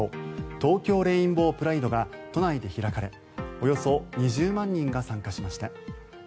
東京レインボープライドが都内で開かれおよそ２０万人が参加しました。